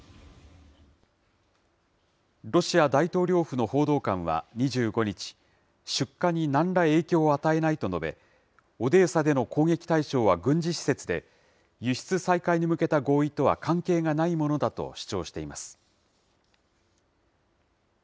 ロシア大統領府の報道官は２５日、出荷になんら影響を与えないと述べ、オデーサでの攻撃対象は軍事施設で、輸出再開に向けた合意とは関係がないものだと主張しています。